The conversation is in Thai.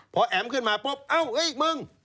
พอแอ๋มขึ้นมาปุ๊บเอ้าเอ้ยมึง